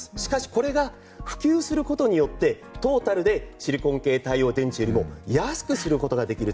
これが普及することでトータルでシリコン系太陽電池より安くすることができる。